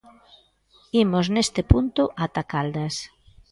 Imos neste punto ata Caldas.